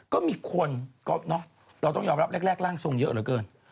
ก็มีคนก็เนอะเราต้องยอมรับแรกร่างทรงเยอะเหลือเกิน